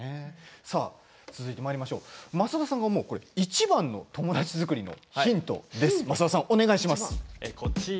続いては増田さんが思ういちばんの友達作りのヒントです。